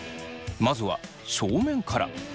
まずは正面から。